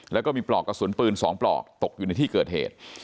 แล้วก็มีปลอกกระสุนปืน๒ปลอกตกอยู่ในที่เกิดเหตุ